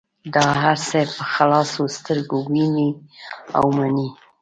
دا هر څه په خلاصو سترګو وینې او مني.